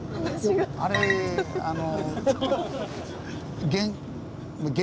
あれあの。